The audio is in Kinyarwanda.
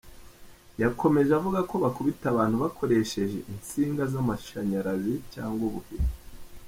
Yakomeje avuga ko “Bakubita abantu bakoresheje insinga z’amashanyarazi cyangwa ubuhiri.